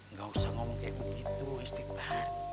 nggak usah ngomong kayak begitu istighbar